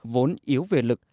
vốn yếu về lực